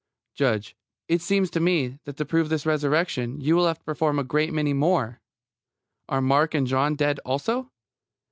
JUDGE: It seems to me, that to prove this resurrection you will have to perform a great many more. Are Mark and John dead, also?